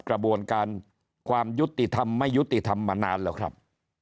กระบวนการความยุติธรรมไม่ยุติธรรมมานานแล้วครับ